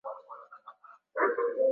Nani anamjua Roy hapa